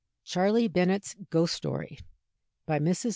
CHARLEY BENNET'S GHOST STORY. BY MRS.